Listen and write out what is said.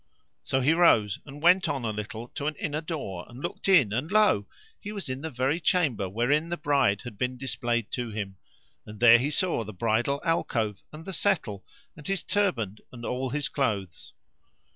So he rose and went on a little to an inner door and looked in and lo! he was in the very chamber wherein the bride had been displayed to him; and there he saw the bridal alcove and the settle and his turband and all his clothes.